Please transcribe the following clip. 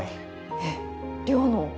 えっ稜の？